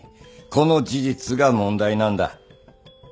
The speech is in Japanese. この事実が問題なんだ。